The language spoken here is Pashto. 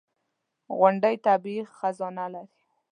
• غونډۍ طبیعي خزانه لري.